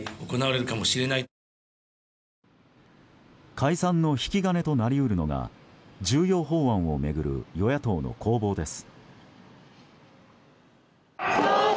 解散の引き金となり得るのが重要法案を巡る与野党の攻防です。